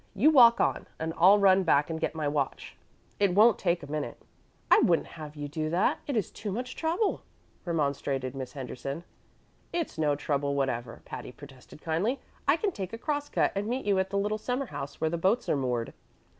You walk on, and I will run back and get my watch; it won't take a minute." "I wouldn't have you do that; it is too much trouble," remonstrated Miss Henderson. "It's no trouble whatever," Patty protested kindly. "I can take a cross cut, and meet you at the little summer house where the boats are moored.